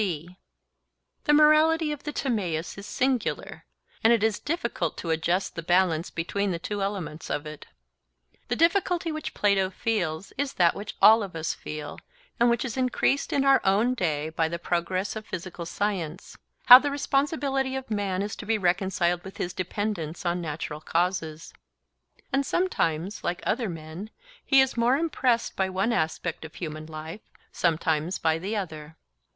(c) The morality of the Timaeus is singular, and it is difficult to adjust the balance between the two elements of it. The difficulty which Plato feels, is that which all of us feel, and which is increased in our own day by the progress of physical science, how the responsibility of man is to be reconciled with his dependence on natural causes. And sometimes, like other men, he is more impressed by one aspect of human life, sometimes by the other.